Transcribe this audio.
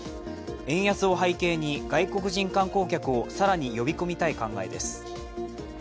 円安を背景に外国人観光者を更に呼び込みたい考えです。